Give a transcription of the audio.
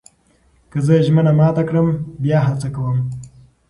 که زه ژمنه مات کړم، بیا هڅه کوم.